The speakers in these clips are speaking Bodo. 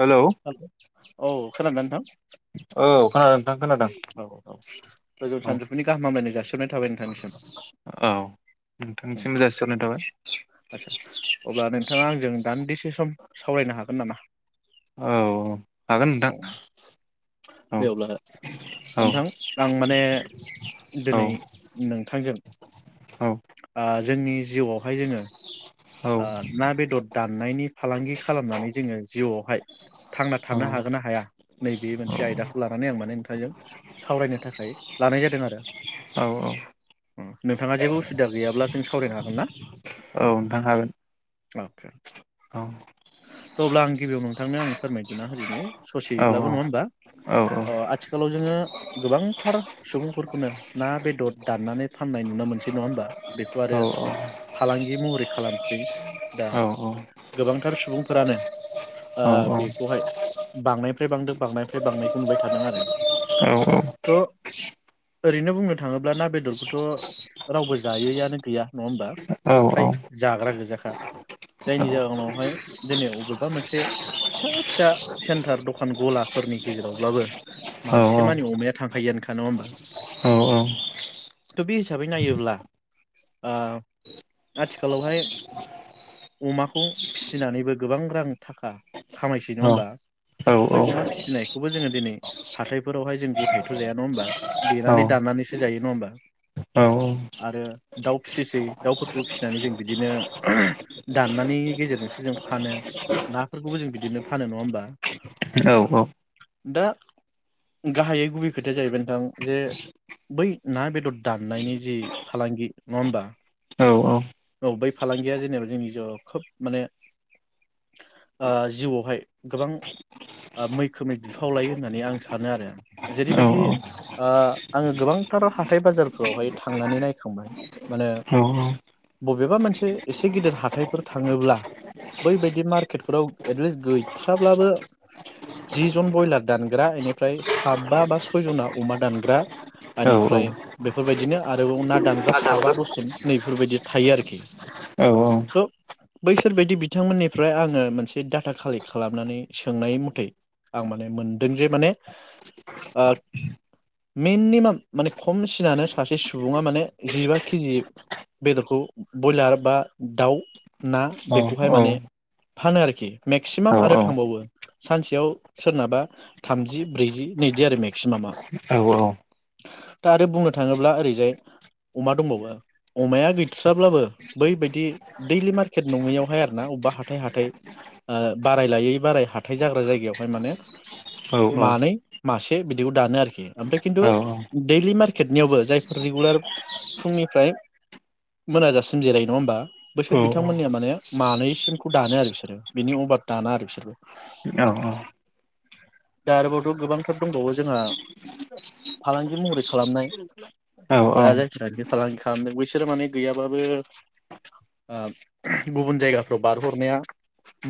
हेलौ औ औ खोनादोंना नोंथां औ खोना औ औ गोजौ औ सानजौफुनि गाहामायनाय जासिहरनाय थाबाय नोंथांनिसिम औ उम नोंथांनिसिम जासिहरनाय थाबाय आदस्सा अब्ला नोंथाङा आंजों दान्दिसे सम सावरायनो हागोन नामा? औ हागोन औ नोंथां औ दे अब्ला नोंथां आं माने औ दिनै नोंथांजों औ ओ जोंनि जिउआवहाय जोङो औ ओ ना बेदर दाननायनि फालांगि खालामनानै जोङो जिउआवहाय थांना थानो हागोन ना हाया नैबे मोनसे आयदाखौ लानानै आं माने नोंथांजों सावरायनो थाखाय लानाय जादों आरो औ औ नोंथाङा जेबो उसुबिदा गैयाब्ला जों सावरायनो हागोन ना? औ नोंथां हागोन अके थ औ अब्ला आं गिबियाव नोंथांनो आं फोरमायथिना होदोनि औ ससेब्लाबो नङा होमबा औ अ औ आथिखालाव जोङो गोबांथार सुबुंफोरखौनो ना बेदर दाननानै फाननाय नुनो मोनसै नङा होमबा बेखौ औ आरो औ औ औ फालांगि महरै खालामसै दा गोबांथार सुबुं फोरानो ओ बेखौहाय बांनाय फ्राय बांदों बांनायनिफ्राय बांनायखौ नुबाय थादों आरो औ थ' औ ओरैनो बुंनो थाङोब्ला ना बेदरखौथ' रावबो जायैआनो गैया नङा होमबा औ फ्राय औ जाग्रा गोजाखा जायनि जाहोनावहाय दिनै अबेबा मोनसे फिसा फिसा सेन्टार दखान गलाफोरनि गेजेरावब्लाबो मासे मानि अमाया थांखायोआनोखा नङा होमबा थ' बे हिसाबै नायोब्ला ओ आथि खालावहाय अमाखौ फिसिनानैबो गोबां रां थाखा खामायसै नङा होमबा? बै अमा फिसिनायखौबो जोङो दिनै हाथायफोरावहाय जों गथायैथ' जाया नङा होमबा? देनानै दाननानैसो जायो नङा होमबा? आरो दाउ फिसिसै दाउफोरखौ फिसि नानै जों बिदिनो दाननानै गेजेरजोंसो जों फानो नाफोरखौबो जों बिदिनो फानो नङा होमबा? दा गाहायै गुबै खोथाया जाहैबाय नोंथां जे बै ना बेदर दाननायनि जि फालांगि नङा होमबा? औ बै फालांगिया जेनेबा जोंनि जिउआव खोब माने ओ जिउआवहाय गोबां मैखोमै बिफाव लायो होननानै आं सानो आरो जेरैबायदि ओ आङो गोबांथार हााइ बाजारफोरावहाय थांनानै नायखांबाय माने बबेबा मोनसे एसे गिदिर हाथायफोर थाङोब्ला बैबायदि मार्केटफोराव एटलिस्ट गैथ्राब्लाबो जि जन ब्रयलार दानग्रा ओनिफ्राय साबा बा सयजना अमा दानग्रा ओनिफ्राय बेफोरबायदिनो आरोबाव ना दानग्रा साबा दसजन नैफोर बायदि थायो आरोखि थ' बैसोरबायदि बिथांमोननिफ्राय आङो मोनसे डाटा कालेक्ट खालामनानै सोंनाय मथै आं माने मोनदों जे माने ओ मिनिमाम माने खमसिनानो सासे सुबुङा माने जिबा केजि बेदरखौ बयलार बा दाउ ना बेखौहाय माने फानो आरोखि मेक्सिमाम आरो थांबावो सानसेयाव सोरनाबा थामजि ब्रैजि नैजि आरो मेक्सिमामा दा आरो बुंनो थाङोब्ला ओरैजाय अमा दंबावो अमाया गैस्राब्लाबो बैबायदि दैलि मार्केट नङैयावहाय आरोना बबेबा हाथाइ हाथाइ ओ बाराय लायै बाराय हााइ जाग्रा जायगायावहाय माने औ औ मानै मासे बिदिखौ दानो आरोखि ओमफ्राय खिन्थु औ दैलि मार्केटनियावबो जायफोर रिगुलार फुंनिफ्राय मोनाजासिम जिरायो नङा होमबा बैसोर बिथांमोननिया माने मानैसिमखौ दानो आरो बिसोरो बिनि अभार दाना आरो बिसोरबो औ दा आरोबावथ' गोबांथार दंबावो जोंहा फालांगि महरै खालामनाय औ औ दा जायखि फालांगि खालामदों बैसोरो माने गैयाबाबो ओ गुबुन जायगाफ्राव बारहरनाया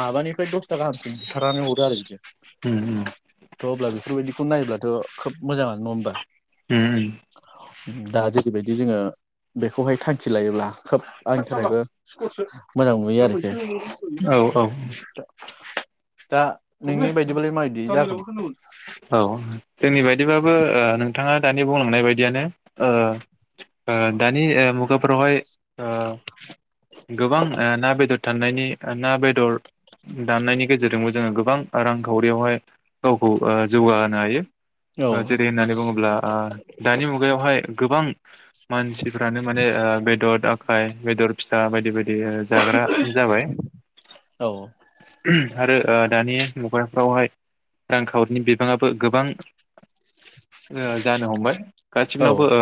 माबानिफ्राय दसथा गाहामसिम बुथारनानै हरो आरो बिदि उम उम थ' अब्ला बेफोरबायदिखौ नायब्लाथ' खोब मोजाङानो नङा होमबा? उम दा जेरैबायदि जोङो बेखौहाय थांखि लायोब्ला खोब आंनि थाखायबो मोजां नुयो आरोखि उम औ औ दा नोंनि बायदिब्लालाय माबायदि जागोन [inaudible] जोंनि बायदिबाबो ओ नोंथाङा दानि बे बुंलांनाय बायदियानो ओ ओ दानि मुगाफोरावहाय ओ गोबां ना बेदर दाननायनि ना बेदर दाननायनि गेजेरजोंबो जोङो गोबां रांखावरियावहाय गावखौ ओ जौगाहोनो ओ औ जेरै होननानै बुङोब्ला ओ दानि मुगायावहाय गोबां मानसिफ्रानो ओ माने बेदर आ खाय बेदर फिसा बायदि बाय दि जाग्रा जाबाय औ आरो ओ दानि मुगाफ्रावहाय रांखावरिनि बिबाङाबो गोबां [inaudible] ओ जानो हमबाय गासिनावबो औ ओ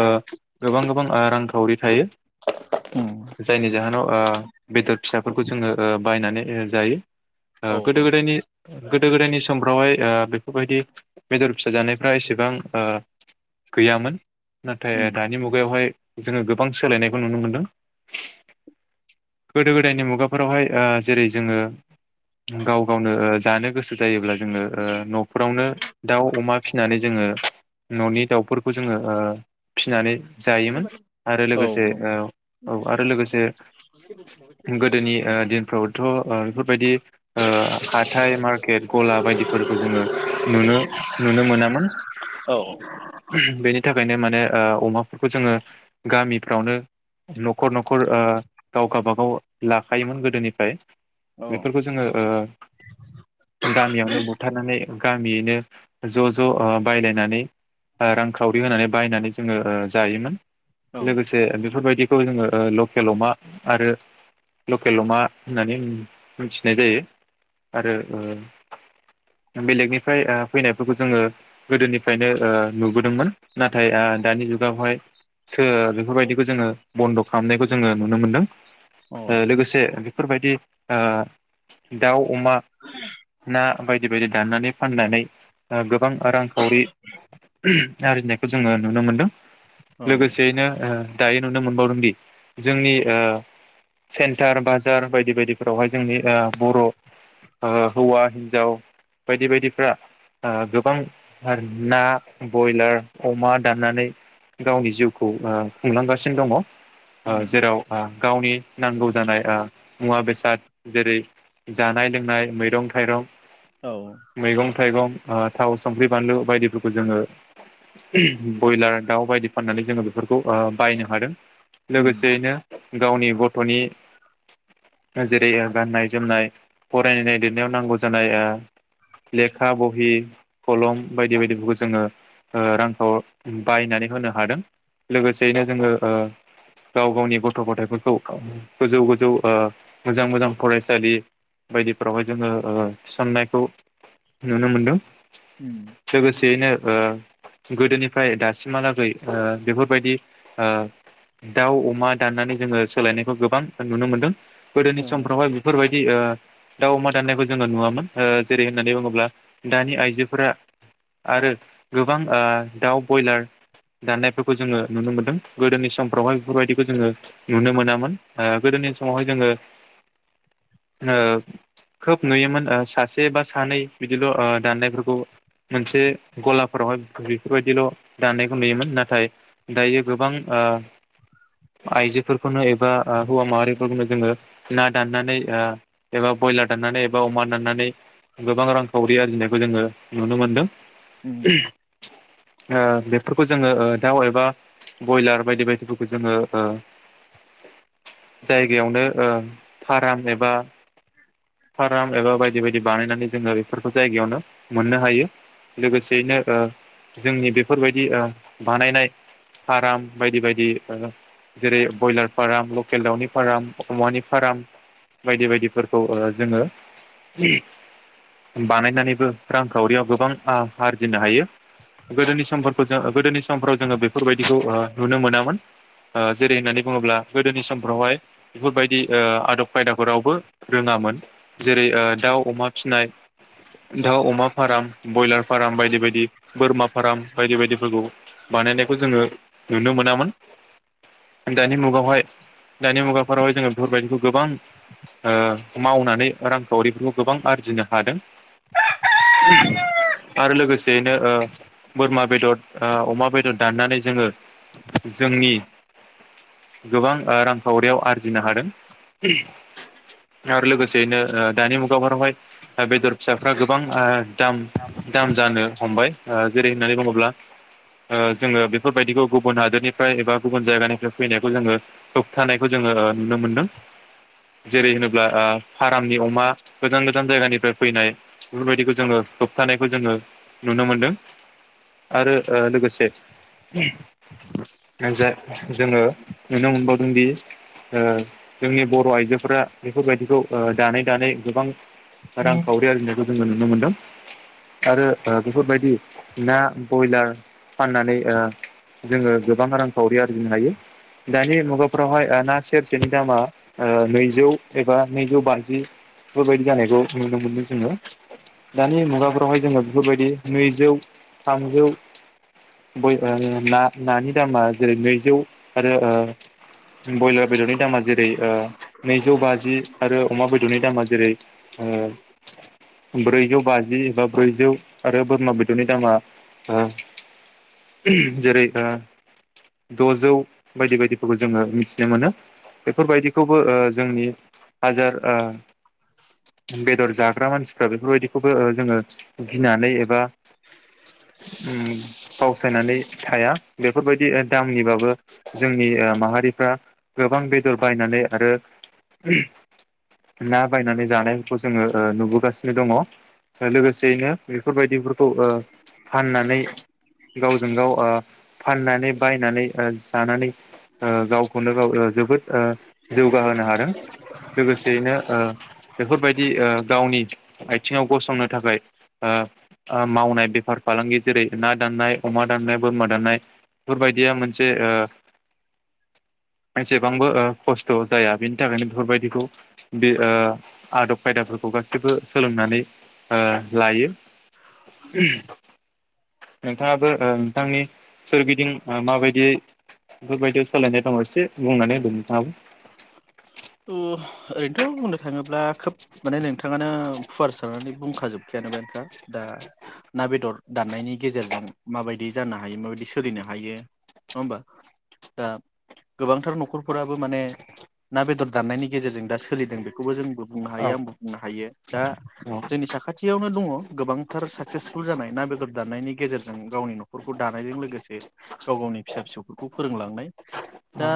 गोबां गोबां रांखावरि थायो उम जायनि जाहोनाव ओ बेदर फिसाफोरखौ जोङो ओ बायनानै जायो। ओ औ गोदो गोदायनि गोदो गोदायनि समफ्रावहाय ओ बेफोरबायदि बेदर फिसा जानायफ्रा एसेबां ओ गैयामोन। नाथाय उम दानि मुगायावहाय जोङो गोबां सोलायनायखौ नुनो मोनदों गोदो गोदायनि मुगाफोरावहाय ओ जेरै जोङो गाव गावनो ओ जानो गोसो जायोब्ला जोङो ओ न' फोरावनो दाउ अमा फिसिनानै जोङो न'नि दाउफोरखौ जोङो ओ फिनानै जायोमोन आरो लोगोसे औ औ आरो लोगोसे गोदोनि ओ दिनफ्रावथ' ओ बेफोरबायदि ओ हाथाय मारकेट गला बायदिफोरखौ जोङो नुनो नुनो मोनामोन औ बेनि बिनि थाखायनो माने ओ अमाफोरखौ जोङो गामिफ्रावनो न'खर न'खर ओ गाव गाबागाव लाखायोमोन गोदोनिफ्राय बेफोरखौ जोङो ओ गामियावनो बुथारनानै गामियैनो ज' ज' ओ बायलायनानै रांखावरि होनानै बायनानै जोङो ओ जायोमोन औ लोगोसे बेफोरबायदि [unintelligible] जोङो लकेल अमा आरो लकेल अमा होननानै मोनथिनाय जायो आरो ओ बेलेगनिफ्राय फैनाय बेफोरखौ जोङो गोदोनिफ्रायनो ओ नुबोदोंमोन नाथाय ओ दानि जुगावहाय बेफोरबायदिखौ जोङो बन्द' खालामनायखौ जोङो नुनो मोनदों ओ औ लोगोसे बेफोरबायदि ओ दाउ अमा ना बायदि बायदि दाननानै फाननानै आ [unintelligible] गोबां रांखावरि आरजिनायखौ जोङो नुनो मोनदों औ लोगोसेयैनो दायो नुनो मोनबावदोंदि जोंनि ओ सेन्टार बाजार बायदि बायदिफोरावहाय जोंनि बर' हौवा हिन्जाव बायदि बायदिफ्रा ओ गोबां ना बयलार अमा दाननानै गावनि जिउखौ ओ खुंलांगासिनो दङ ओ उम जेराव आ गावनि नांगौ जानाय ओ मुवा बेसाद जेरै जानाय लोंनाय मैरं थाइरं औ मैगं थाइगं ओ थाव संख्रि बानलु बायदिफोरखौ जोङो बयलार दाउ बायदि फाननानै जोङो बेफोरखौ ओ बायनो हादों उम लोगोसेयैनो गावनि गथ'नि जेरै गाननाय जोमनाय फरायनाय लिरनायाव नांगौ जानाय ओ लेखा बहि हि खलम बायदि बायदिफोरखौ जोङो ओ रांखौ बायनानै होनो कलम बायदि बायदि फोरखौ जोङो बायनानै होनो हादों लोगोसेयैनो जोङो ओ गाव गावनि गथ' गथायाइफोरखौ गोजौ गोजौ ओ मोजां मोजां फरायसालि बायदिफोरावहाय जोङो ओ थिसननायखौ नुनो मोनदों उम लोगोसेयैनो ओ गोदोनिफ्राय दासिमहालागैओ बेफोरबायदि ओ दाउ अमा दाननानै जोङो सोलायनायखौ गोबां नुनो मोनदों गोदोनि औ समफ्रावहाय बेफोरबायदि ओ दाउ अमा दाननायखौ जोङो नुवामोन ओ जेरै होननानै बुङोब्ला दानि आइजोफोरा आरो गोबां ओ दाउ बयलार दाननायफोरखौ जोङो नुनो मोनदों गोदोनि समफ्रावहाय बेफोरबायदिखौ जोङो नुनो मोनामोन ओ गोदोनि समावहाय जोङो खोब नुयोमोन सासे बा सानै बिदिल' ओ दाननायफोरखौ मोनसे गलाफोरावहाय बेफोरबायदिल' दाननायखौ नुयोमोन नाथाय दायो गोबां ओ आइजोफोरखौनो एबा ओ हौवा माहारिफोरखौनो जोङो ना दाननानै ओ एबा ब्रयलार दाननानै एबा अमा दाननानै गोबां रां खावरि आरजिनायखौ जोङो नुनो मोनदों उम ओ बेफोर खौ जोङो ओ दाउ एबा बयलार बायदि बायदिफोरखौ जोङो ओ जायगायावनो ओ फाराम एबा फाराम एबा बायदि बायदि बानायनानै जोङो फोरखौ जायगायावनो मोननो हायो लोगोसेयैनो ओ जोंनि बेफोरबायदि ओ बानायनाय फाराम बायदि बायदि जेरै ब्रयलार फाराम लकेल दाउनि फाराम अमानि फाराम बायदि बायदिफोरखौ ओ जोङो बानायनानैबो रांखावरियाव गोबां आ आरजिनो हायो। गोदोनि समफोरखौ जो गोदोनि समफ्राव जोङो बेफोरबायदिखौ ओ नुनो मोनामोन ओ जेरै होननानै बुङोब्ला गोदोनि समफ्रावहाय बेफोरबायदि ओ आदब खायदाफोरावबो रोङामोन जेरै ओ दाउ अमा फिनाय दाउ अमा फाराम ब्रयलार फाराम बायदि बायदि बोरमा फाराम बायदि बायदिफोरखौ बानायनायखौ जोङो नुनो मोनामोन दानि मुगायावहाय दानि मुगाफोरावहाय जोङो बेफोरबायदिखौ गोबां ओ मावनानै रांखावरिफोरखौ गोबां आरजिनो हादों आरो लोगोसेयैनो ओ बोरमा बेदर ओ अमा बेदर दाननानै जोङो जोंनि गोबां ओ रांखावरियाव आरजिनो हादों आरो लोगोसेयैनो ओ दानि मुगाफोरावहाय ओ बेदर फिसाफ्रा गोबां ओ दाम दाम जानो हमबाय ओ जेरैनानै बुङोब जोङो ओ बेफोरबायदिखौ गुबुन हादोरनिफ्राय एबा गुबुन जायगानिफ्राय फैनायखौ जोङो होबथानायखौ जों ओ नुनो मोनदों जेरै होनोब्ला ओ फारामनि अमा गोजान गोजान जायगानि फ्राय फैनाय बेफोरबायदिखौ जोङो होबथानायखौ जोङो नुनो मोनदों आरो ओ लोगोसे [unintelligible] जोङो नुनो मोनबावदोंदि ओ जोंनि बर आइजोफोरा बेफोरबायदिखौ ओ दानै दानै गोबां रां खावरि आरजिनो जोङो नुनो मोनदों आरो ओ बेफोरबायदि ना बयलार फाननानै ओ जोङो गोबां रांखावरि आरजिनो हायो दानि मुगाफ्रावहाय ओ ना सेरसेनि दामा ओ नैजौ एबा नैजौ बाजि बेबायदि जानायखौ नुनो मोनदों जोङो दानि मुगा फोरावहाय जोङो बेफोरबायदि नैजौ थामजौ नानि ओ दामा जेरै नैजौ आरो ओ ब्रयलार बेदरनि दामा जेरै ओ नैजौ बाजि आरो अमा बेदरनि दामा जेरै ओ ब्रैजौ बाजि एबा ब्रैजौ आरो बोरमा बेदरनि दामा ओ जेरै ओ दजौ बायदि बायदिफोरखौ जोङो मिथिनो मोनो बेफोरबायदिखौबो ओ जोंनि हाजार ओ [inaudible] बेदर जाग्रा मानसिफ्रा बेफोरबायदिखौबो ओ जोङो गिनानै एबा ओ फावसायनानै थाया बेफोरबायदि दामनिबाबो जोंनि ओ माहारिफ्रा गोबां बेदर बायनानै आरो ना बायनानै जानाय जोङो ओ नुबोगासिनो दङ आरो लोगोसेयैनो बेफोरबायदि खौ ओ फाननानै गावजों गाव ओ फाननानै बायनानै ओ जानानै ओ गावखौनो गाव ओ जोबोद ओ जौगाहोनो हादों लोगोसेयैनो ओ बेफोरबायदि दि ओ गावनि आयथिंआव गसंनो थाखाय ओ मावनाय ओ बेफार फालांगि जेरै ना दाननाय अमा दाननाय बोरमा दाननाय बेफोरबायदिया मोनसे ओ एसेबांबो ओ खस्थ जाया बेनि थाखायनो बेफोरबायदिखौ बे ओ आदब खायदाफोरखौ गाैबो सोलोंनानै ओ लायो नोंथाङाबो ओ नोंथांनि ओ सोरगिदिं माबायदियै बेफोरबायदियाव सोलायनाय दङ एसे बुंनानै होनदों नोंथाङाबो ओ ओरैनोथ‌ बुंनो थाङोब्ला खोब माने नोंथाङानो फुवार सारनानै बुंखाजोबखाबायानोखा दा ना बेदर दाननायनि गेजेरजों माबायदि जानो हायो माबायदि सोलिनो हायो नङा होमबा दा गोबांथार नखरफोराबो माने ना बेदर दाननायनि गेजेरजों दा सोलिदों बेखौबो जोंबो बुंनो औ हायो आंबो बुंनो हायो दा औ जोंनि साखाथियावनो दङ गोबांथार साक्सेसफुल जानाय ना बेदर दानायनि गेजेरजों गावनि नखरखौ दानायजों लोगोसे गाव गावनि फिसा फिसौफोरखौ फोरोंलांनाय औ दा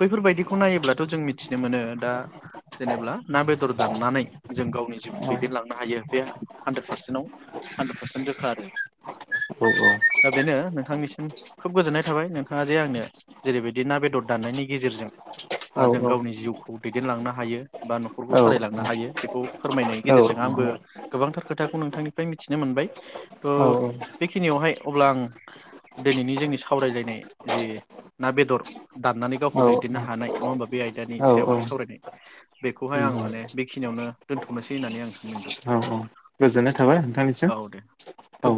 बैफोरबायदिखौ नायोब्ला थ‌ जों मिथिनो मोनो दा जेनेब्ला ना बेदर दाननानै जों गावनि औ जिउखौ दैदेनलांनो हायो बे हानद्रेद पारसेन्टाव हानद्रेद पारसेन्ट रोखा आरो औ दा बेनो औ नोंथांनिसिम खोब गोजोननाय थाबाय नोंथाङा जे आंनो जेरैबायदि ना बेदर दाननायनि गेजेरजों ओ औ जों गावनि जिउखौ दैदेनलांनो हायो बा नखरखौ सालायलांनो हायो बेखौ फोरमायनायनि गेजेरजों आंबो गोबांथार खोथाखौ नोंथांनिफ्राय मिथिनो मोनबाय ओ बेखिनियावहाय अब्ला आं दिनैनि जोंनि सावरायलायनाय जे ना बेदर दाननानै औ गावखौ दैदेननो हानाय नङा होमबा बे आयदानि औ सायावहाय औ सावरायनाय बेखौहाय आं माने बेखिनियावनो दोन्थनोसै होननानै आं सानबाय नोथां गोजोननाय थाबाय नोंथांनिसिम औ थ